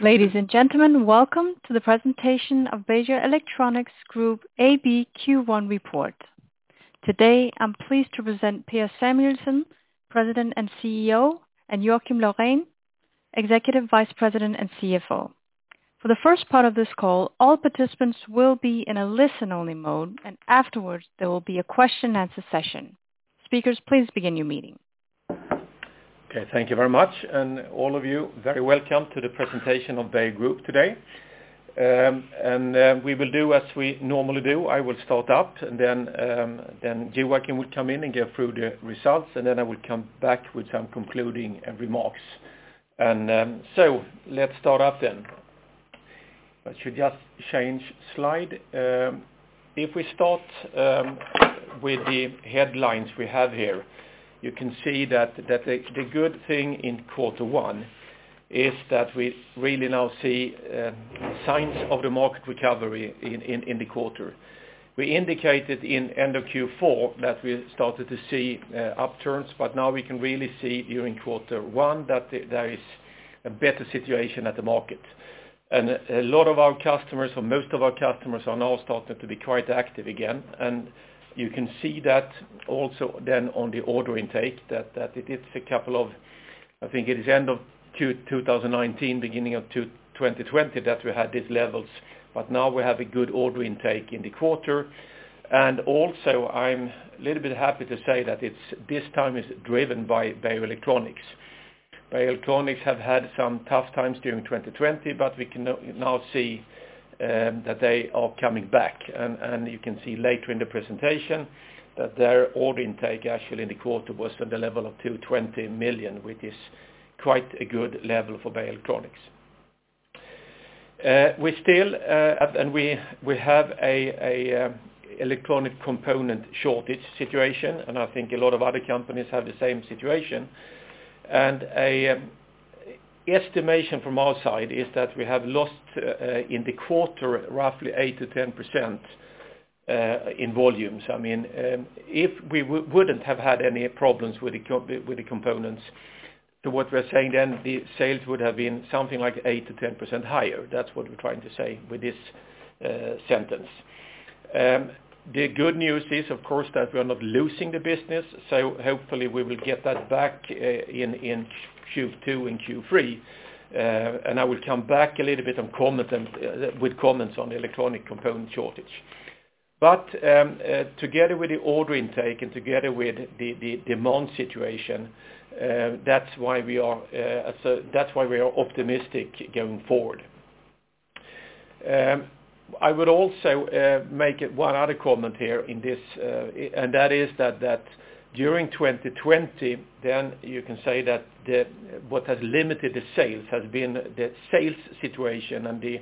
Ladies and gentlemen, welcome to the presentation of Beijer Electronics Group AB Q1 report. Today, I'm pleased to present Per Samuelsson, President and CEO, and Joakim Laurén, Executive Vice President and CFO. For the first part of this call, all participants will be in a listen-only mode, and afterwards there will be a question and answer session. Speakers, please begin your meeting. Okay, thank you very much. All of you, very welcome to the presentation of Beijer Group today. We will do as we normally do. I will start out and then Joakim will come in and go through the results, and then I will come back with some concluding remarks. Let's start up then. I should just change slide. If we start with the headlines we have here, you can see that the good thing in quarter one is that we really now see signs of the market recovery in the quarter. We indicated in end of Q4 that we started to see upturns, but now we can really see during quarter one that there is a better situation at the market. A lot of our customers, or most of our customers, are now starting to be quite active again. You can see that also then on the order intake that it is a couple of, I think it is end of 2019, beginning of 2020, that we had these levels. Now we have a good order intake in the quarter. Also I'm a little bit happy to say that this time it's driven by Beijer Electronics. Beijer Electronics have had some tough times during 2020, but we can now see that they are coming back. You can see later in the presentation that their order intake actually in the quarter was on the level of 220 million, which is quite a good level for Beijer Electronics. We have a electronic component shortage situation, and I think a lot of other companies have the same situation. Estimation from our side is that we have lost in the quarter roughly 8%-10% in volumes. If we wouldn't have had any problems with the components, to what we're saying then, the sales would have been something like 8%-10% higher. That's what we're trying to say with this sentence. The good news is, of course, that we are not losing the business, so hopefully we will get that back in Q2 and Q3, and I will come back a little bit with comments on the electronic component shortage. Together with the order intake and together with the demand situation, that's why we are optimistic going forward. I would also make one other comment here in this, and that is that during 2020, then you can say that what has limited the sales has been the sales situation and the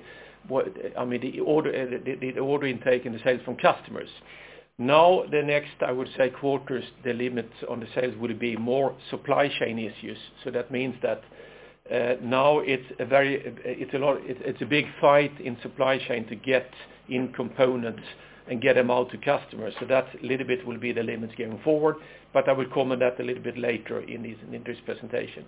order intake and the sales from customers. The next, I would say, quarters, the limits on the sales will be more supply chain issues. That means that now it's a big fight in supply chain to get in components and get them out to customers. That little bit will be the limits going forward. I will comment that a little bit later in this presentation.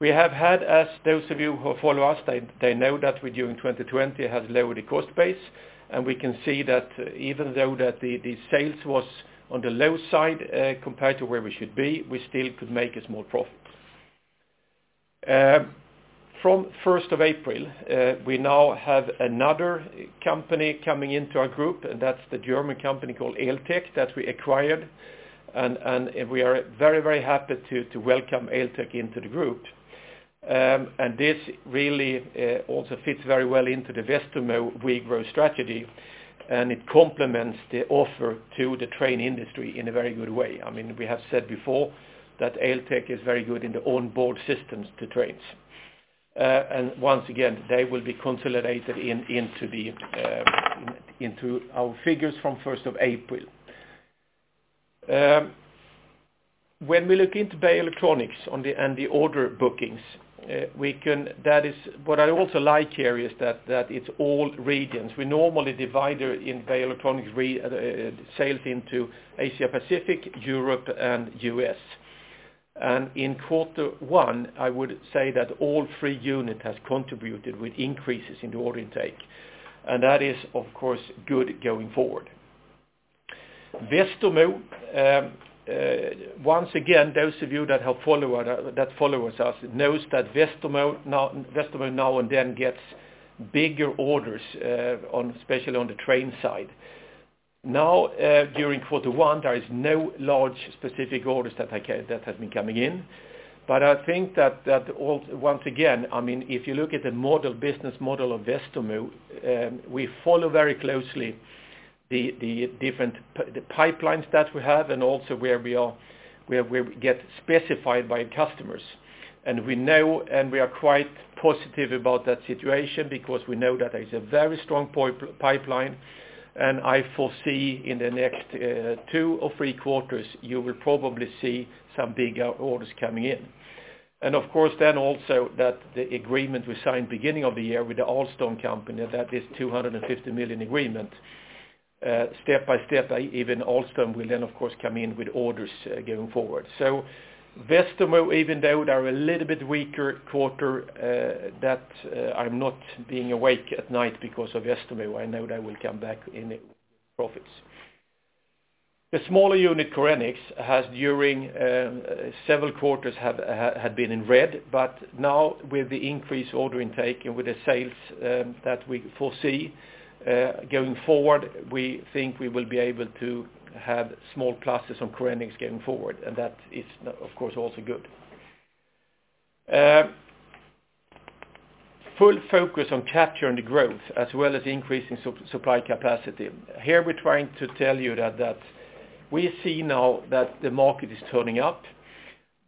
We have had, as those of you who follow us, they know that we during 2020 have lowered the cost base, and we can see that even though that the sales was on the low side compared to where we should be, we still could make a small profit. From 1st of April, we now have another company coming into our group, and that's the German company called ELTEC that we acquired. We are very happy to welcome ELTEC into the group. This really also fits very well into the Westermo WeGrow strategy, and it complements the offer to the train industry in a very good way. We have said before that ELTEC is very good in the onboard systems to trains. Once again, they will be consolidated into our figures from 1st of April. When we look into Beijer Electronics and the order bookings, what I also like here is that it's all regions. We normally divide Beijer Electronics sales into Asia Pacific, Europe, and U.S. In quarter one, I would say that all three unit has contributed with increases in the order intake. That is, of course, good going forward. Westermo, once again, those of you that follows us knows that Westermo now and then gets bigger orders, especially on the train side. During Q1, there is no large specific orders that has been coming in. I think that once again, if you look at the business model of Westermo, we follow very closely the different pipelines that we have and also where we get specified by customers. We are quite positive about that situation because we know that there's a very strong pipeline, and I foresee in the next two or three quarters, you will probably see some bigger orders coming in. Of course then also that the agreement we signed beginning of the year with Alstom, that is 250 million agreement. Step by step, even Alstom will then, of course, come in with orders going forward. Westermo, even though they're a little bit weaker quarter, I'm not being awake at night because of Westermo. I know they will come back in profits. The smaller unit, Korenix, during several quarters had been in red, but now with the increased order intake and with the sales that we foresee going forward, we think we will be able to have small pluses on Korenix going forward, and that is, of course, also good. Full focus on capturing the growth as well as increasing supply capacity. Here we're trying to tell you that we see now that the market is turning up,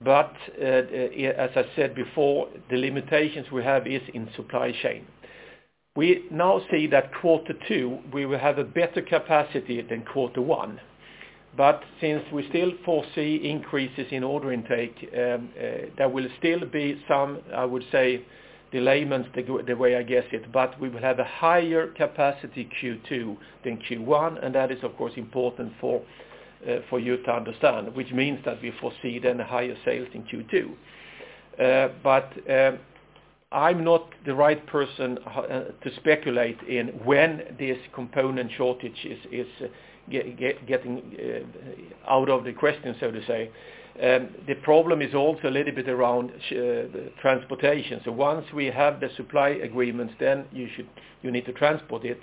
but as I said before, the limitations we have is in supply chain. We now see that quarter two, we will have a better capacity than quarter one. Since we still foresee increases in order intake, there will still be some, I would say, delayments, the way I guess it, but we will have a higher capacity Q2 than Q1, and that is, of course, important for you to understand, which means that we foresee then higher sales in Q2. I'm not the right person to speculate in when this component shortage is getting out of the question, so to say. The problem is also a little bit around transportation. Once we have the supply agreements, then you need to transport it,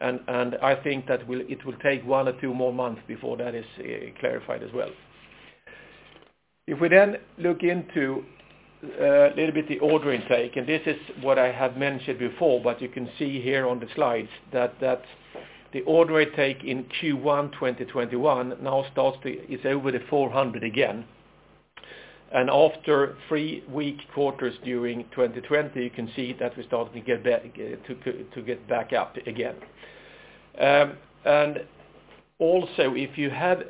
and I think that it will take one or two more months before that is clarified as well. We look into a little bit the order intake. This is what I have mentioned before. You can see here on the slides that the order intake in Q1 2021 now is over SEK 400 again. After three weak quarters during 2020, you can see that we started to get back up again. Also, if you had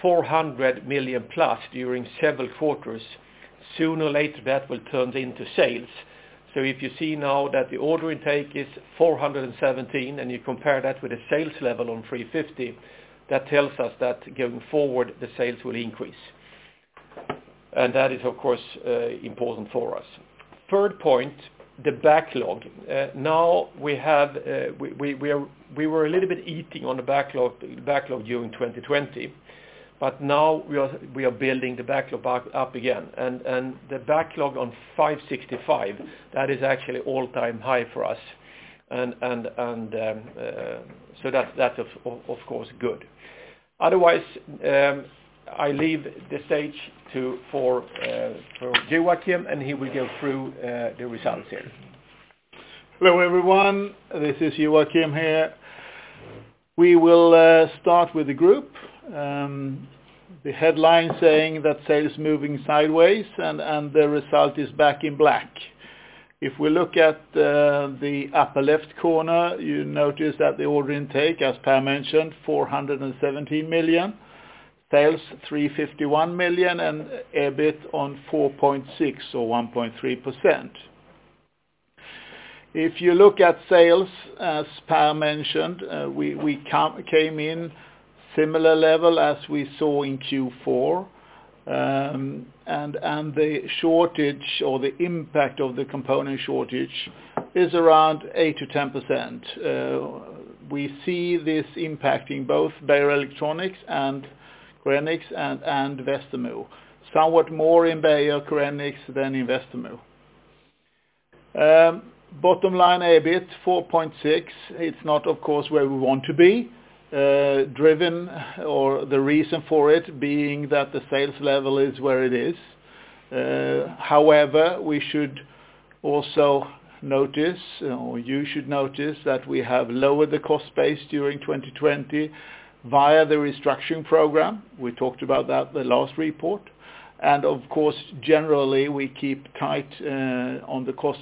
400 million plus during several quarters, sooner or later, that will turn into sales. If you see now that the order intake is 417, you compare that with a sales level on 350, that tells us that going forward, the sales will increase. That is, of course, important for us. Third point, the backlog. Now, we were a little bit eating on the backlog during 2020, now we are building the backlog back up again. The backlog on 565, that is actually all-time high for us. That's, of course, good. Otherwise, I leave the stage for Joakim, and he will go through the results here. Hello, everyone. This is Joakim here. We will start with the Group. The headline saying that sales is moving sideways, and the result is back in black. If we look at the upper left corner, you notice that the order intake, as Per mentioned, 417 million, sales 351 million, and EBIT on 4.6 million or 1.3%. If you look at sales, as Per mentioned, we came in similar level as we saw in Q4. The shortage or the impact of the component shortage is around 8%-10%. We see this impacting both Beijer Electronics and Korenix and Westermo. Somewhat more in Beijer, Korenix than in Westermo. Bottom line, EBIT, 4.6 million. It's not, of course, where we want to be, driven or the reason for it being that the sales level is where it is. We should also notice, or you should notice that we have lowered the cost base during 2020 via the restructuring program. We talked about that the last report. Of course, generally, we keep tight on the cost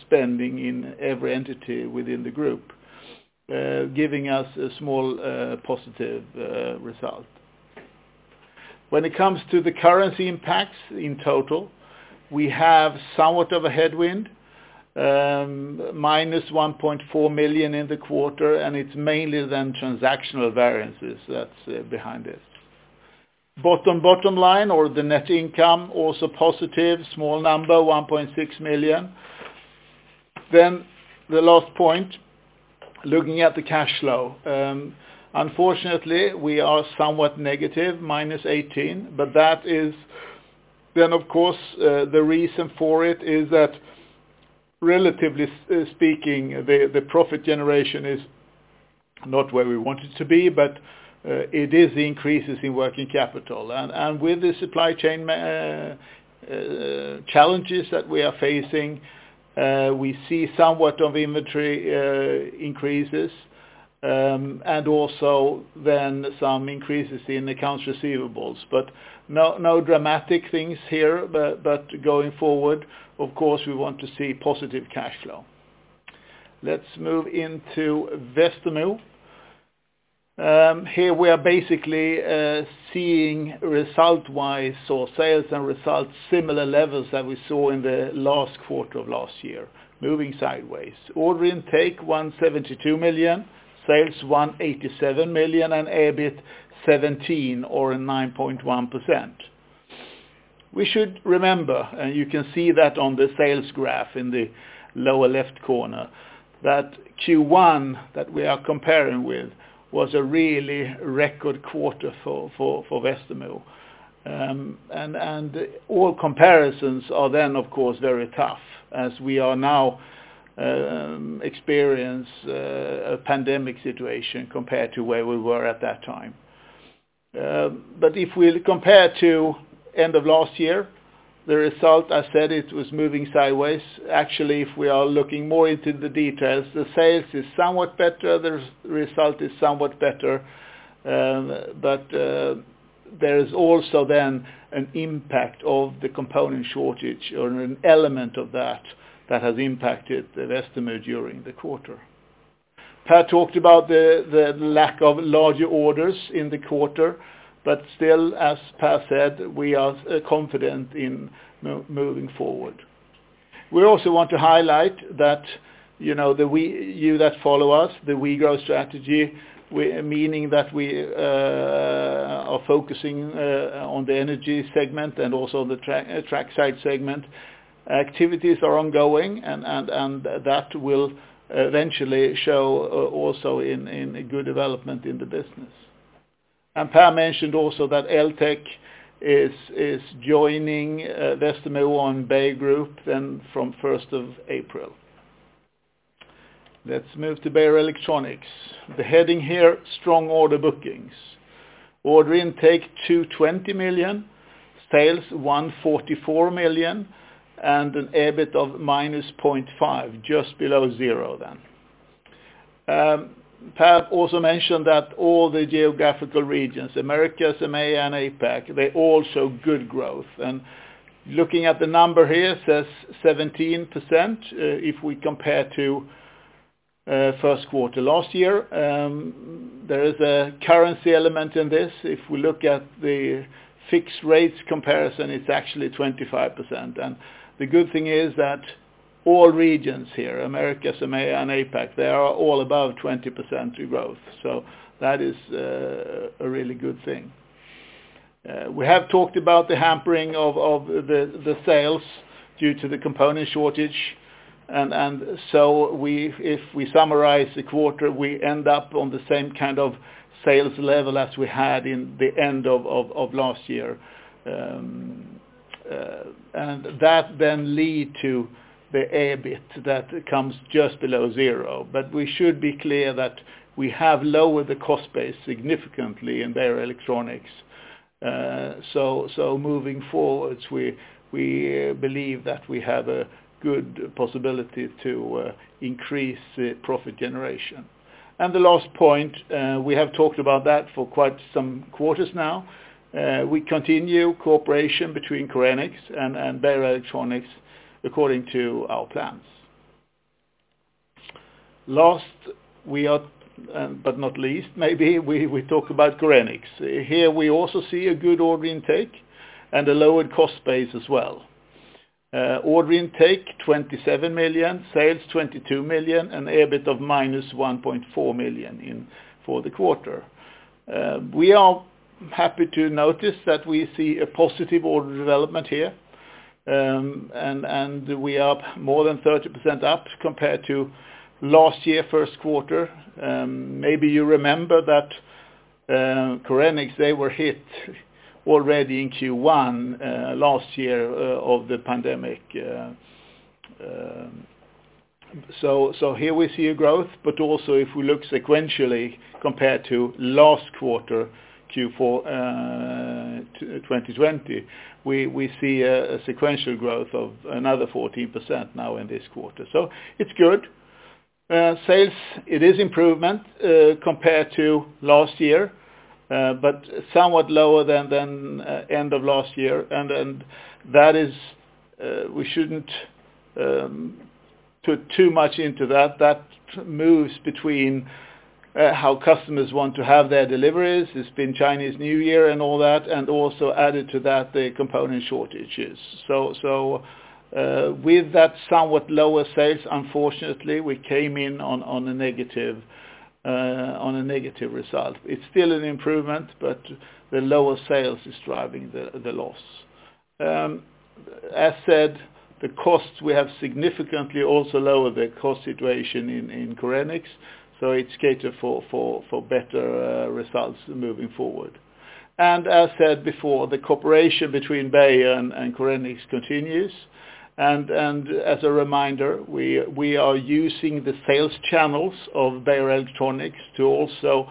spending in every entity within the Group, giving us a small positive result. When it comes to the currency impacts in total, we have somewhat of a headwind, minus 1.4 million in the quarter, and it's mainly then transactional variances that's behind it. Bottom line or the net income, also positive, small number, 1.6 million. The last point, looking at the cash flow. Unfortunately, we are somewhat negative, minus 18, but that is then, of course, the reason for it is that relatively speaking, the profit generation is not where we want it to be, but it is the increases in working capital. With the supply chain challenges that we are facing, we see somewhat of inventory increases, and also then some increases in accounts receivables. No dramatic things here, but going forward, of course, we want to see positive cash flow. Let's move into Westermo. Here we are basically seeing result-wise or sales and results, similar levels that we saw in the last quarter of last year, moving sideways. Order intake, 172 million, sales 187 million, and EBIT 17 or 9.1%. We should remember, and you can see that on the sales graph in the lower-left corner, that Q1 that we are comparing with was a really record quarter for Westermo. All comparisons are then, of course, very tough as we are now experiencing a pandemic situation compared to where we were at that time. If we compare to end of last year, the result, I said it was moving sideways. Actually, if we are looking more into the details, the sales is somewhat better, the result is somewhat better. There is also then an impact of the component shortage or an element of that has impacted Westermo during the quarter. Per talked about the lack of larger orders in the quarter, but still, as Per said, we are confident in moving forward. We also want to highlight that you that follow us, the We Grow strategy, meaning that we are focusing on the energy segment and also on the track side segment. Activities are ongoing, that will eventually show also in a good development in the business. Per mentioned also that ELTEC is joining Westermo on Beijer Group then from 1st of April. Let's move to Beijer Electronics. The heading here, strong order bookings. Order intake 220 million, sales 144 million, and an EBIT of -0.5, just below zero then. Per also mentioned that all the geographical regions, Americas, EMEA, and APAC, they all show good growth. Looking at the number here, it says 17%, if we compare to first quarter last year. There is a currency element in this. If we look at the fixed rates comparison, it's actually 25%. The good thing is that all regions here, Americas, EMEA, and APAC, they are all above 20% growth. That is a really good thing. We have talked about the hampering of the sales due to the component shortage, if we summarize the quarter, we end up on the same kind of sales level as we had in the end of last year. That led to the EBIT that comes just below zero. We should be clear that we have lowered the cost base significantly in Beijer Electronics. Moving forwards, we believe that we have a good possibility to increase profit generation. The last point, we have talked about that for quite some quarters now. We continue cooperation between Korenix and Beijer Electronics according to our plans. Last, but not least, maybe, we talk about Korenix. Here we also see a good order intake and a lowered cost base as well. Order intake 27 million, sales 22 million, and EBIT of -1.4 million for the quarter. We are happy to notice that we see a positive order development here, and we are more than 30% up compared to last year, first quarter. Maybe you remember that Korenix, they were hit already in Q1 last year of the pandemic. Here we see a growth, but also if we look sequentially compared to last quarter, Q4 2020, we see a sequential growth of another 14% now in this quarter. It's good. Sales, it is improvement compared to last year but somewhat lower than end of last year. We shouldn't put too much into that. That moves between how customers want to have their deliveries. It's been Chinese New Year and all that, and also added to that, the component shortages. With that somewhat lower sales, unfortunately, we came in on a negative result. It's still an improvement, but the lower sales is driving the loss. As said, the costs, we have significantly also lowered the cost situation in Korenix, so it's catered for better results moving forward. As said before, the cooperation between BEI and Korenix continues, and as a reminder, we are using the sales channels of Beijer Electronics to also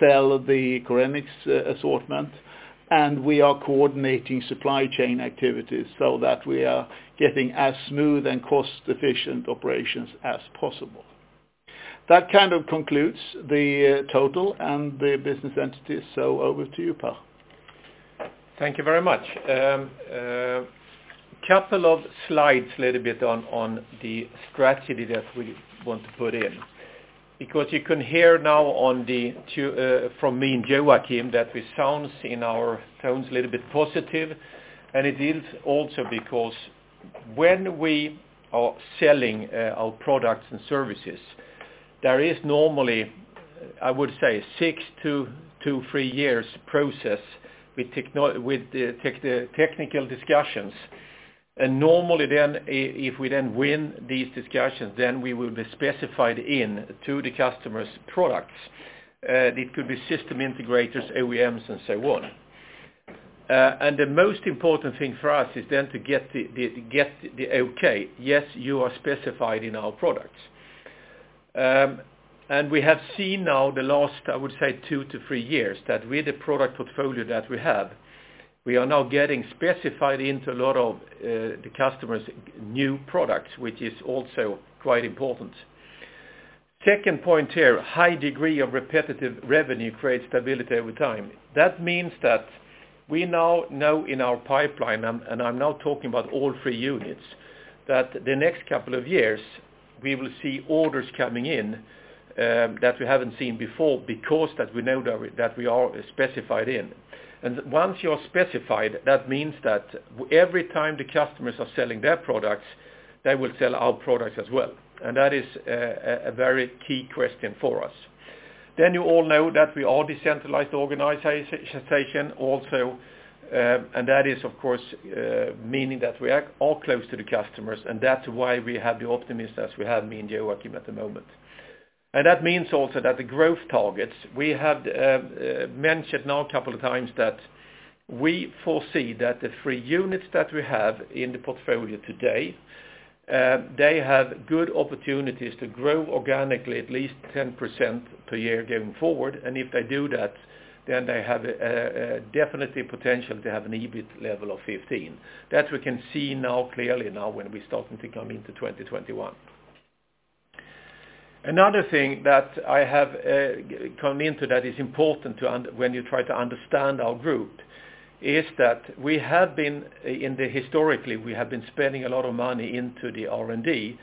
sell the Korenix assortment. We are coordinating supply chain activities so that we are getting as smooth and cost-efficient operations as possible. That kind of concludes the total and the business entities. Over to you, Per. Thank you very much. Couple of slides, little bit on the strategy that we want to put in. You can hear now from me and Joakim that we sounds, in our tones, a little bit positive, and it is also because when we are selling our products and services, there is normally I would say six to three years process with technical discussions. Normally, if we then win these discussions, then we will be specified in to the customer's products. It could be system integrators, OEMs, and so on. The most important thing for us is then to get the okay, "Yes, you are specified in our products." We have seen now the last, I would say two to three years, that with the product portfolio that we have, we are now getting specified into a lot of the customer's new products, which is also quite important. Second point here, high degree of repetitive revenue creates stability over time. That means that we now know in our pipeline, and I'm now talking about all three units, that the next couple of years, we will see orders coming in that we haven't seen before, because that we know that we are specified in. Once you're specified, that means that every time the customers are selling their products, they will sell our products as well. That is a very key question for us. You all know that we are a decentralized organization also, and that is of course, meaning that we are all close to the customers, and that's why we have the optimism as we have, me and Joakim at the moment. That means also that the growth targets, we have mentioned now a couple of times that we foresee that the three units that we have in the portfolio today, they have good opportunities to grow organically at least 10% per year going forward. If they do that, then they have a definitely potential to have an EBIT level of 15. That we can see now clearly now when we're starting to come into 2021. Another thing that I have come into that is important when you try to understand our group, is that historically, we have been spending a lot of money into the R&D,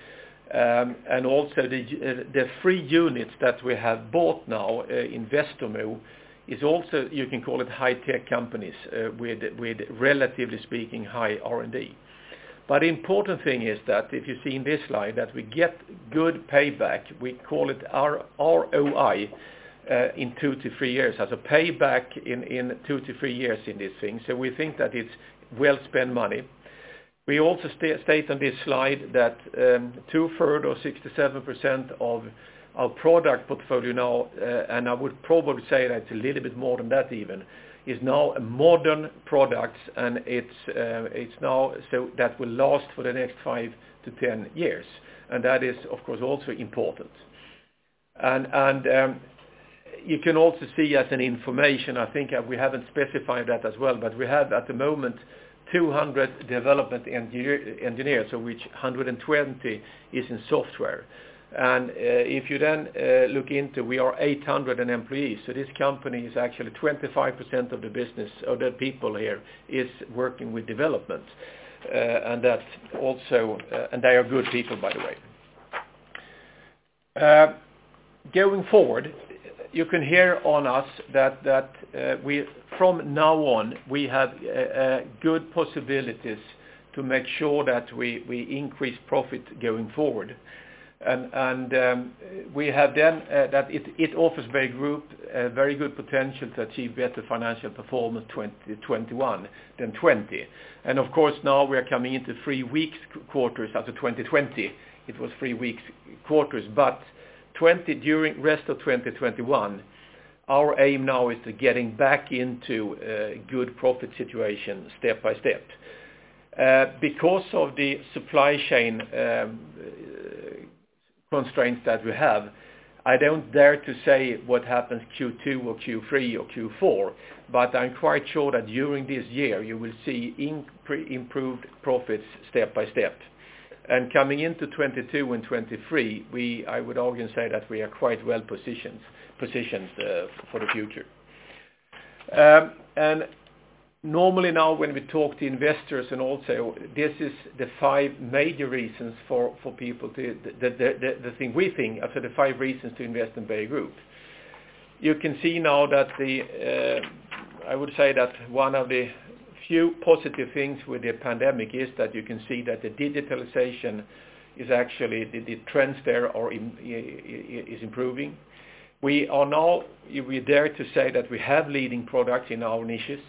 and also the three units that we have bought now, Westermo, is also, you can call it high tech companies, with relatively speaking, high R&D. Important thing is that if you see on this slide that we get good payback, we call it our ROI, in two to three years as a payback in this thing. We think that it's well-spent money. We also state on this slide that two-thirds or 67% of our product portfolio now, and I would probably say that it's a little bit more than that even, is now a modern product, so that will last for the next five to 10 years. That is, of course, also important. You can also see as an information, I think we haven't specified that as well, but we have at the moment 200 development engineers, so which 120 is in software. If you then look into, we are 800 employees, so this company is actually 25% of the business of the people here is working with development. They are good people, by the way. Going forward, you can hear on us that from now on, we have good possibilities to make sure that we increase profit going forward. It offers very good potential to achieve better financial performance 2021 than 2020. Of course, now we are coming into three weak quarters after 2020. It was three weak quarters, but rest of 2021, our aim now is to getting back into a good profit situation step by step. Because of the supply chain constraints that we have, I don't dare to say what happens Q2 or Q3 or Q4, but I'm quite sure that during this year, you will see improved profits step by step. Coming into 2022 and 2023, I would argue and say that we are quite well-positioned for the future. Normally now when we talk to investors and also the thing we think are the five reasons to invest in Beijer Group. You can see now that I would say that one of the few positive things with the pandemic is that you can see that the digitalization is actually the trends there is improving. We are now, we dare to say that we have leading products in our niches,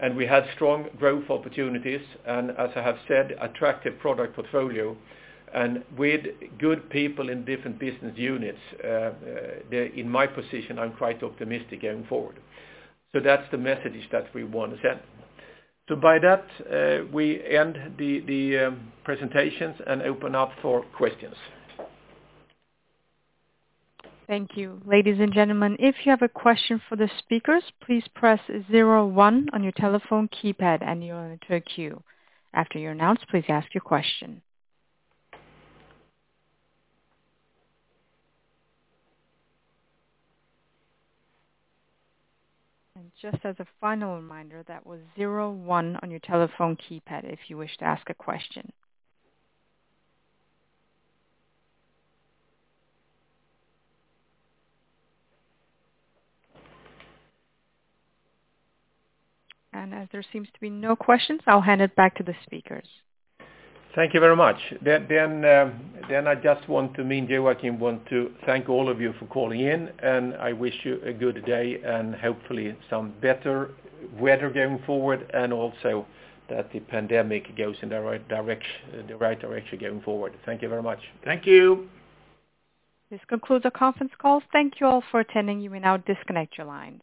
and we have strong growth opportunities, and as I have said, attractive product portfolio, and with good people in different business units, in my position, I'm quite optimistic going forward. That's the message that we want to send. By that, we end the presentations and open up for questions. Thank you. Ladies and gentlemen, if you have a question for the speakers, please press zero one on your telephone keypad and you'll enter a queue. After you're announced, please ask your question. Just as a final reminder, that was zero one on your telephone keypad if you wish to ask a question. As there seems to be no questions, I'll hand it back to the speakers. Thank you very much. I just want to me and Joakim want to thank all of you for calling in, and I wish you a good day, and hopefully some better weather going forward, and also that the pandemic goes in the right direction going forward. Thank you very much. Thank you. This concludes our conference call. Thank you all for attending. You may now disconnect your lines.